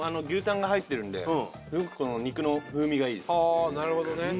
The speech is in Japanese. ああなるほどね。